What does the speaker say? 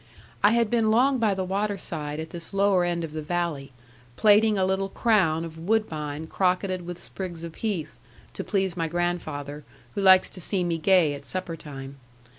I had been long by the waterside at this lower end of the valley, plaiting a little crown of woodbine crocketed with sprigs of heath to please my grandfather, who likes to see me gay at supper time.